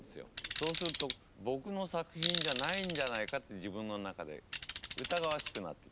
そうすると僕の作品じゃないんじゃないかって自分の中でうたがわしくなってきますね。